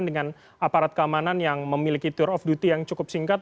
dengan aparat keamanan yang memiliki tour of duty yang cukup singkat